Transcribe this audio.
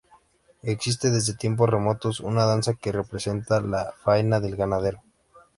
Existe desde tiempos remotos una danza que representa la faena del ganadero.